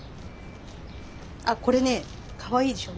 あこれねかわいいでしょ。